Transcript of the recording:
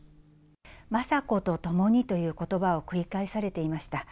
雅子と共にということばを繰り返されていました。